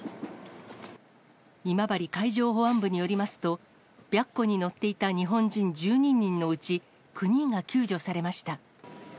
今治海上保安部によりますと、白虎に乗っていた日本人１２人のうち、９人が救助されました。